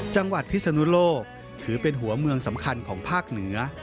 จังหวัดพิษโลกถือเป็นหัวเมืองสำคัญของภาคนือ